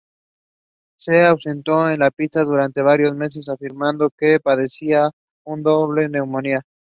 Se ausentó de las pistas durante varios meses, afirmando que padecía de doble neumonía.